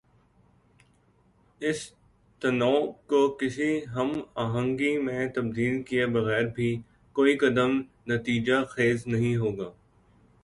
اس تنوع کو کسی ہم آہنگی میں تبدیل کیے بغیربھی کوئی قدم نتیجہ خیز نہیں ہو گا۔